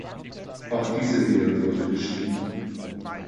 Auch diese Ehe wurde geschieden.